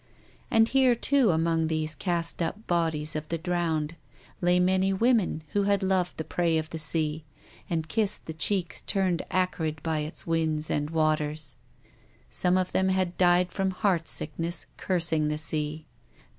And here, too, among these cast up bodies of the drowned, lay many women who had loved the prey of the sea, and kissed the cheeks turned acrid by its winds and waters. Some of them had died from heart sickness, cursing the sea.